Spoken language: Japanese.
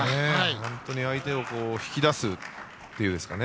本当に相手を引き出すというんですかね。